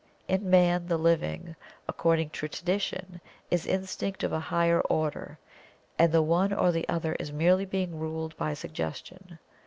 In Man the living according to Tradition is instinct of a higher order, and the one or the other is merely being ruled by Suggestion.